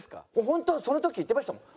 本当にその時言ってましたもん。